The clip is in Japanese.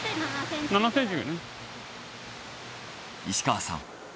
石川さん